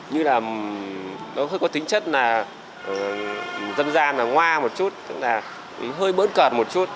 như là nó có tính chất là dân gian là ngoa một chút tức là hơi bỡn cợt một chút